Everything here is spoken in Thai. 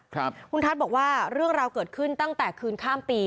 คุณทัศน์บอกว่าเรื่องราวเกิดขึ้นตั้งแต่คืนข้ามปี